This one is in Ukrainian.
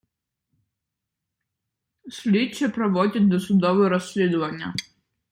Слідчі проводять досудове розслідування.